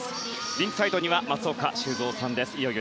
リンクサイドには松岡修造さんです。